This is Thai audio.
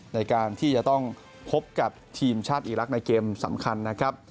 ในการที่จะต้องพบกับทีมชาติอีรักษ์ในเกมสำคัญนะครับ